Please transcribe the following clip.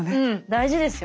大事ですよ